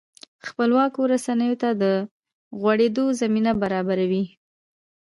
خپلواکو رسنیو ته د غوړېدو زمینه برابروي.